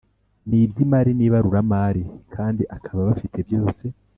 n iby imari n ibaruramari kandi akaba bafite byose